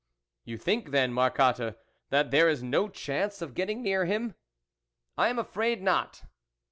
" You think then, Marcotte, that there is no chance of getting near him." " I am afraid not."